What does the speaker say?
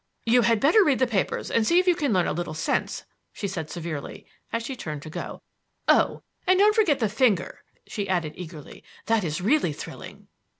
"You had better read the papers and see if you can learn a little sense," she said severely as she turned to go. "Oh, and don't forget the finger!" she added eagerly. "That is really thrilling."